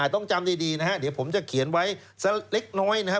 ต้องจำดีนะฮะเดี๋ยวผมจะเขียนไว้สักเล็กน้อยนะฮะ